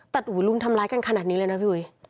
รุมทำร้ายกันขนาดนี้เลยนะพี่หุย